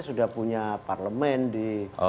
sudah punya parlemen di